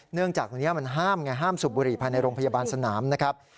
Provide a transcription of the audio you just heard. จากนี้มันห้ามไงห้ามสูบบุหรี่ภายในโรงพยาบาลสนามนะครับ